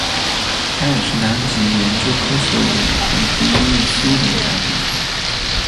他也是南极研究科学委员会第一位苏联代表。